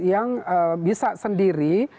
yang bisa sendiri